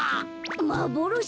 まぼろし？